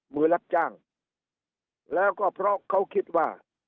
มือรับจ้างแล้วก็เพราะเขาคิดว่า